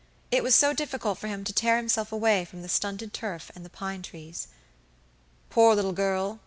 It was so difficult for him to tear himself away from the stunted turf and the pine trees. "Poor little girl!"